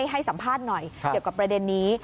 ให้สัมภาษณ์หน่อยเกี่ยวกับประเด็นนี้